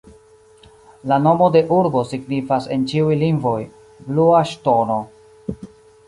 La nomo de urbo signifas en ĉiuj lingvoj Blua Ŝtono.